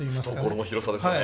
懐の広さですね！